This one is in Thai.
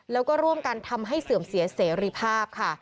แล้วก็ร่วมกันทำให้เสื่อมเสียเสรีภาพค่ะ